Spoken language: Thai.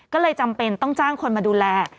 ก็เลยจำเป็นต้องจ้างคนมาดูแล